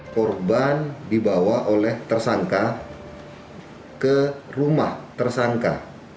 korban dibawa oleh tersangka ke rumah tersangka